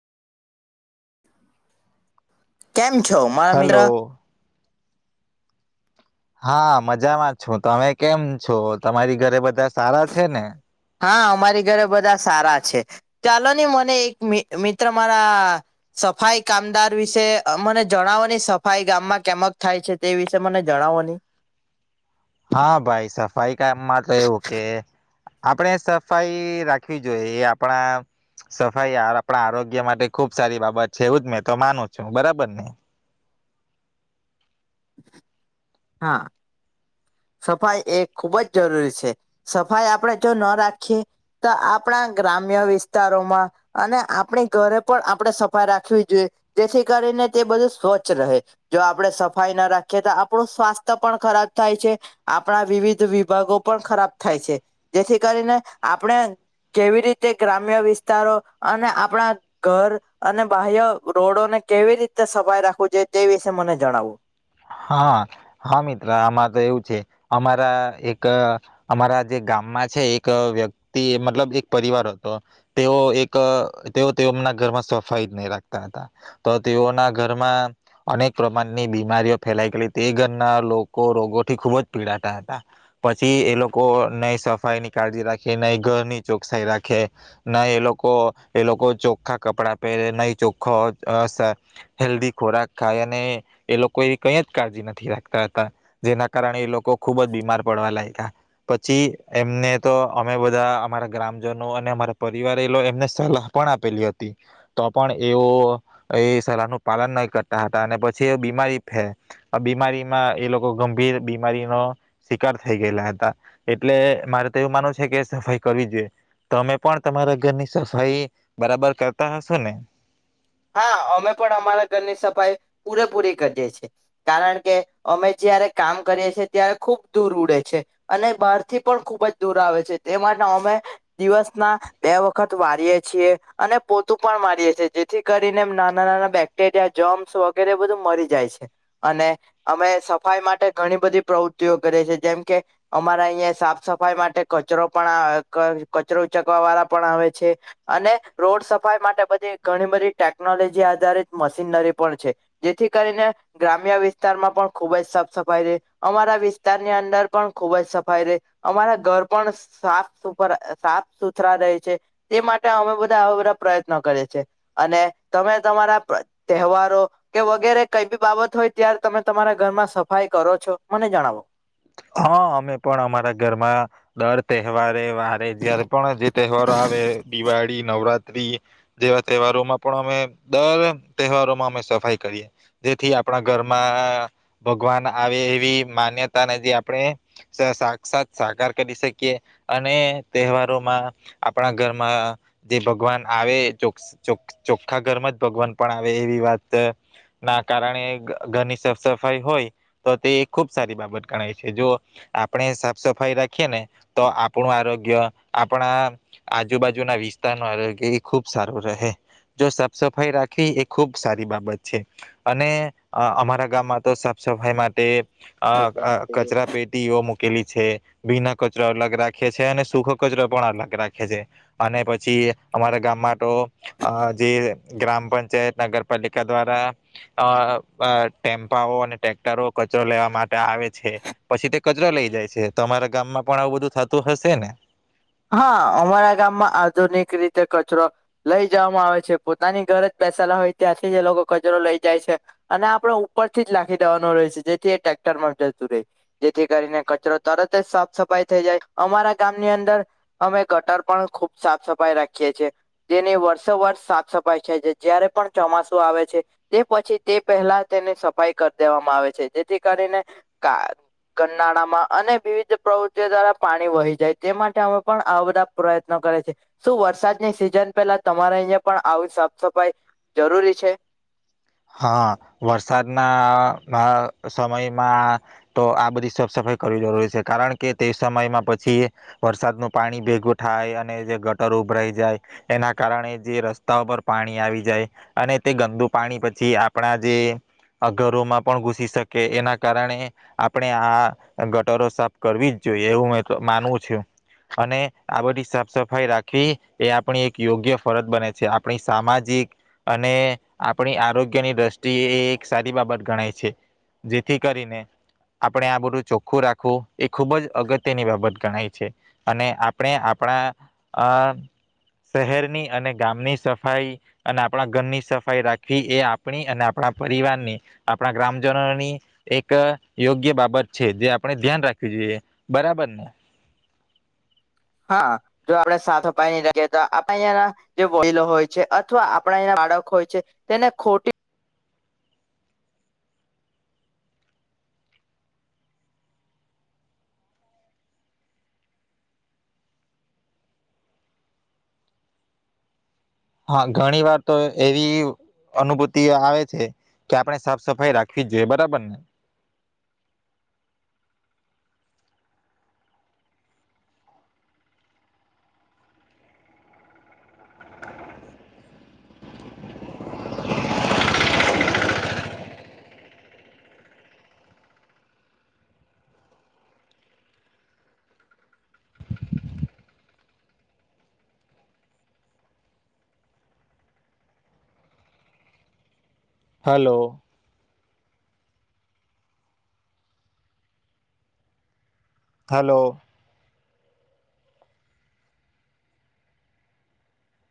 કેમ છો મારા મિત્ર? હલો હા મજામાં છું. તમે કેમ છો? તમારી ઘરે બધા સારા છે ને? હા અમારી ઘરે બધા સારા છે, ચાલો નહી મને એક મિત્ર મારા સફાઈ કામદાર વિશે મને જણાવોની સફાઈ ગામમાં કેમક થાય છે, તે વિશે મને જણાવો નહી. હા ભાઈ સફાઈ કામમાં તો એવું કે આપણે સફાઈ રાખવી જોઈએ એ આપણા સફાઈ આપણા આરોગ્ય માટે ખુબ સારી બાબત છે, એવું જ મેં તો માનું છું બરાબર ને. હા. સફાઈ એ ખુબ જ જરૂરી છે. સફાઈ આપણે જો ન રાખીએ તો આપણા ગ્રામ્ય વિસ્તારોમાં અને આપણી ઘરે પણ આપણે સફાઈ રાખવી જોઈએ, જેથી કરીને તે બધું સ્વચ્છ રહે જો આપણે સફાઈ ના રાખીએ તો આપણું સ્વાસ્થ્ય પણ ખરાબ થાય છે. આપણા વિવિધ વિભાગો પણ ખરાબ થાય છે જેથી કરીને આપણે કેવી રીતે ગ્રામ્ય વિસ્તારો અને આપણા ઘર અને બાહ્ય રોડોને કેવી રીતે સફાઈ રાખવું જોઈએ તે વિષ મને જણાવું. હા હા મિત્ર આમારે તો એવું છે, અમારા એક અમારા જે ગામમાં છે, એક વ્યક્તિ મતલબ એક પરિવાર હતો તેઓ એક તેઓ તેઓના ઘરમાં સફાઈ જ નહીં રાખતા હતા તો તેઓના ઘરમાં અનેક પ્રમાણની બીમારીઓ. ફેલાય ગયેલી તે ઘરના લોકો રોગોથી ખૂબ જ પીડાતા હતા, પછી એ લોકો નહી સફાઈની કાળજી રાખે નહી, ઘરની ચોખસાઈ રાખે, ન એ લોકો એ લોકો ચોખ્ખા કપડાં પહેરે ન ચોખ્ખો હેલ્ધી ખોરાક ખાય અને એ લોકોએ કઈ જ કાળજી નથી રાખતા હતા જેના કારણે એ લોકો ખુબ જ બીમાર પડવા લાગ્યા, પછી એમને તો અમે બધા અમારા ગ્રામજનો અને અમારા પરિવારે લો એમને સલાહ પણ આપેલી હતી, તો પણ એઓ એ સલાહનું પાલન નહી કરતા હતા અને પછી એ બીમારી. હે આ બીમારીમાં એ લોકો ગંભીર બીમારીનો શિકાર થઈ ગયેલા હતા, એટલે મારે તો એવું માનુંવું છે કે સફાઈ કરવી જોઈએ તમે પણ તમારા ઘરની સફાઈ બરાબર કરતા હશો ને. હા અમે પણ અમારા ઘરની સફાઈ પૂરેપૂરી કરીએ છીએ, કારણ કે અમે જયારે કામ કરીએ છીએ ત્યારે ખૂબ દૂર ઉડે છે, અને બહારથી પણ ખૂબ જ દૂર આવે છે તે માટે અમે દિવસના બે વખત વારીએ છીએ અને પોતું પણ વારીએ છીએ જે જેથી કરીને નાના નાના બેક્ટેરિયા જમ્સ વગેરે બધું મરી જાય છે, અને અમે સફાઈ માટે ઘણી બધી પ્રવૃત્તિઓ કરીએ છે જેમકે અમારા અહીંયા સાફ સફાઈ માટે કચરો પણ કચરો ઉચકવા વાળા પણ આવે છે, અને રોડ સફાઈ માટે બધી. ઘણી બધી ટેકનોલોજી આધારિત મશીનરી પણ છે, જેથી કરીને ગ્રામ્ય વિસ્તારમાં પણ ખૂબ જ સાફ સફાઈ રહે, અમારા વિસ્તારની અંદર પણ ખુબ જ સફાઈ રહે, અમારા ઘર પણ સાફ સુરા સાફ સુથરા રહે છે તે માટે અમે બધા આવા બધા પ્રયત્નો કરએ છે. અને તમે તમારા તહેવારો કે વગેરે કઈ બી બાબત હોય ત્યારે તમે તમારા ઘરમાં સફાઈ કરો છો મને જણાવો? હા અમે પણ અમારા ઘરમાં દર તહેવારે વારે જારે પણ જે તહેવારો આવે દિવાળી નવરાત્રી જેવા તહેવારોમાં પણ અમે દર તહેવારોમાં અમે સફાઈ કરીએ, જેથી આપણા ઘરમાં ભગવાન આવે એવી માન્યતાને જે. આપણે સાક્ષક્ષાત સાકાર કરી શકીએ, અને તહેવારોમાં આપણા ઘરમાં જે ભગવાન આવે ચોખ્ખા ઘરમાં જ ભગવાન પણ આવે એવી વાત ના કારણે ઘરની સાફ સફાઈ હોય તો તે ખુબ સારી બાબત ગણાય છે. જો આપણે સાફ સફાઈ રાખીએ ને તો આપણું આરોગ્ય આપણા આજુબાજુના વિસ્તારનું આરોગ્ય એ ખૂબ સારું રહે જો સાફ સફાઈ રાખવી એ ખૂબ સારી બાબત છે, અને અમારા ગામમાં તો સાફ સફાઈ માટે. અ સફાઈ અ માટે કચરા પેટીઓ મૂકેલી છે બિના. કચરો અલગ રાખે છે અને સુખ કચરો પણ અલગ રાખે છે અને પછી અમારા ગામમાં તો જે ગ્રામ પંચાયત નગરપાલિકા દ્વારા અ ટેમ્પાઓ અને ટટેક્ટરો કચરો લેવા માટે આવે છે. પછી તે કચરા લઈ જાય છે તો અરા ગામમાં પણ આવું બધું થતું હશે ને. હા અમારા ગામમાં આધુનિક રીતે કચરો લઈ જવામાં આવે છે પોતાની ઘર જ બેસાલા હોય ત્યાંથી એ લોકો કચરો લઈ જાય છે અને આપડ ઉપરથી જ લખી દેવાનો રહે છે જેથી એ ટ્રેક્ટર માં જતું રહે જેથી કરીને કચરો તરત જ સાફ સફાઈ થઈ જાય અમારા ગામની અંદર. અમે ગટર પણ ખુબ સાફ સફાઈ રાખીએ છીએ તેની વર્ષો વર્ષ સાફ સફાઈ થાય છે જારે પણ ચોમાસું આવે છે તે પછી તે પહેલા તેની સફાઈ કરી દેવામાં આવે છે જેથી કરીને ગનાળામાં અને વિવિધ પ્રવૃત્તિઓ દ્વારા પાણી વહી જાય તે માટે અમે. પણ આ બધા પ્રયત્નો કરે છે શું વરસાદની સિઝન પેલા તમારે અહીયા પણ આવી સાફ સફાઈ જરૂરી છે. હા વરસાદના સમયમાં તો આ બધી સફ સફાઈ કરવી જરૂરી છે કારણ કે તે સમયમાં પછી વરસાદનું પાણી ભેગું થાય અને જે ગટર ઉભરાઈ જાય એના કારણે જે રસ્તાઓ પર પાણી આવી જાય અને તે ગંદુ પાણી પછી. આપણા જે ઘરોમાં પણ ઘુસી શકે એના કારણે આપણે આ ગટરો સાફ કરવી જ જોઈએ એવું માનવું છું અને આ બધી સાફ સફાઈ રાખવી એ આપણી એક યોગ્ય ફરજ બને છે આપણી સામાજિક અને આપણી આરોગ્ય. ની દ્રષ્ટિ એ એક સારી બાબત ગણાય છે જેથી કરીને આપણે આ બધું ચોખ્ખું રાખવું એ ખૂબ જ અગત્યની બાબત ગણાય છે અને આપણે આપણા શહેરની અને ગામની સફાઈ અને આપણા ઘરની સફાઈ રાખવી એ. આપણી અને આપણા પરિવારની આપણા ગ્રામજનોની એક યોગ્ય બાબત છે જે આપણે ધ્યાન રાખવી જોઈએ બરાબર ને. હા જો આપણે સાથો પાાઈ ન લખ તો આપણા અહયાના જે વડીલો હોય છે અથવા આપણા અંના બાળકો હોય છે તેને ખોટી. હા ઘણી વાર તો એવી અનુભૂતિ આવે છે કે આપણે સાફ સફાઈ રાખવી જોઈએ બરાબર ને. [unintelligible] હલો. હલો.